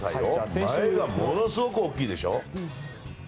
前がものすごく大きいでしょ。